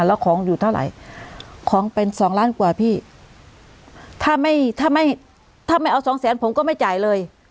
แล้วของอยู่เท่าไหร่ของเป็นสองล้านกว่าพี่ถ้าไม่ถ้าไม่ถ้าไม่เอาสองแสนผมก็ไม่จ่ายเลย